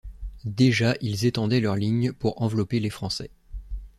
Déjà ils étendaient leur ligne pour envelopper les Français.